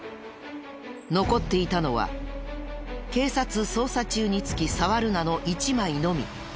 残っていたのは「警察捜査中につき触るな」の１枚のみ。